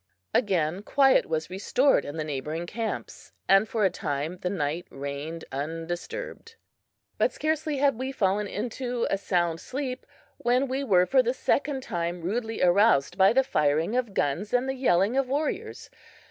Again quiet was restored in the neighboring camps, and for a time the night reigned undisturbed. But scarcely had we fallen into a sound sleep when we were for the second time rudely aroused by the firing of guns and the yelling of warriors.